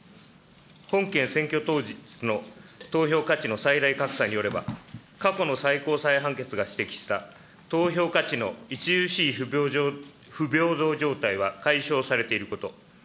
本件、選挙当日の投票価値の最大格差によれば、過去の最高裁判決が指摘した投票価値の著しい不平等状態は解消されていること。